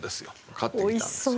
買ってきたんですよ。